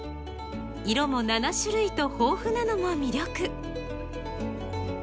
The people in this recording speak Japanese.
色も７種類と豊富なのも魅力。